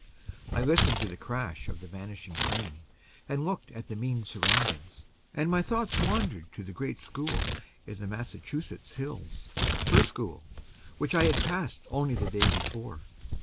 I listened to the crash of the vanishing train, and looked at the mean surroundings, and my thoughts wandered to the great school in the Massachusetts hills her school which I had passed only the day before.